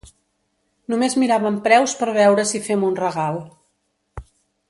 Només miràvem preus per veure si fem un regal.